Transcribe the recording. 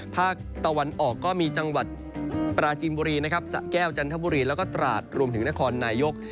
ภาคตะวันออกก็มีจังหวัดปราจีนบุรีนะครับสะแก้วจันทบุรีแล้วก็ตราดรวมถึงนครนายก